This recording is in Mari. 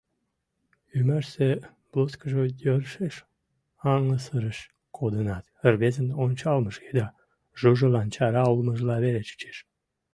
Ӱмашсе блузкыжо йӧршеш аҥысыреш кодынат, рвезын ончалмыж еда Жужилан чара улмыжла веле чучеш.